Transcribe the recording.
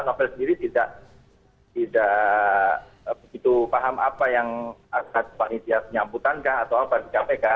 novel sendiri tidak begitu paham apa yang akan panitia penyambutan kah atau apa di kpk